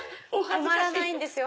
止まらないんですよ